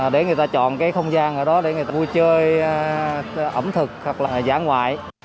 để người ta chọn cái không gian ở đó để người ta vui chơi ẩm thực hoặc là giả ngoại